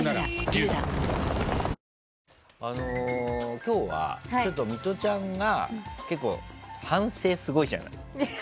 今日は、ミトちゃんが結構、反省がすごいじゃない。